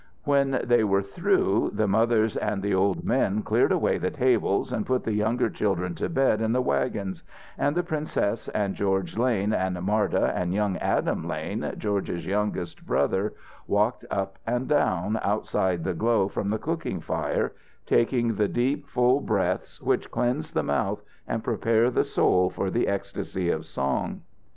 When they were through, the mothers and the old men cleared away the tables and put the younger children to bed in the wagons, and the princess and George Lane and Marda and young Adam Lane, George's youngest brother, walked up and down, outside the glow from the cooking fire, taking the deep, full breaths which cleanse the mouth and prepare the soul for the ecstasy of song.